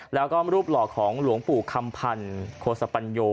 แล้วก็รูปหล่อของหลวงปู่คำพันธ์โคสปัญโย